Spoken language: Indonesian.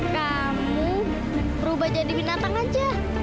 kamu berubah jadi binatang aja